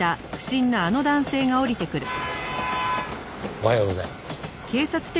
おはようございます。